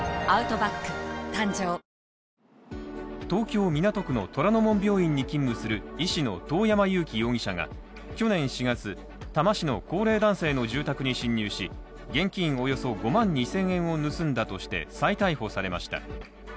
東京・港区の虎の門病院に勤務する医師の遠山友希容疑者が去年４月、多摩市の高齢男性の住宅に侵入し、現金およそ５万２０００円を盗んだとして再逮捕されました。